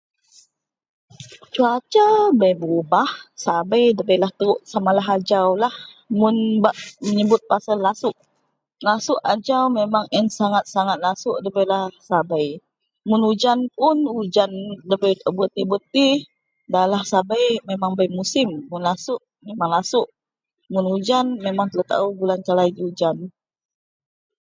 Cuaca bei berubahlah, sabei debeilah teruk samalah ajau mun bak menyebut pasel lasuk, lasuk ajau memang en sangat- sangat- lasuk debeilah sabei, mun ujan puun ujan debei taao bereti-bereti ndalah sabei memang bei Muslim, mun lasuk memang lasuk, mun ujan memang telou taao bulan Kalai ji ujan